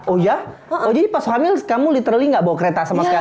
oh jadi pas hamil kamu literally gak bawa kereta sama sekali